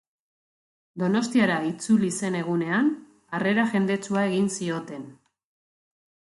Donostiara itzuli zen egunean, harrera jendetsua egin zioten.